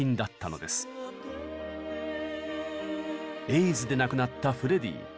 エイズで亡くなったフレディ。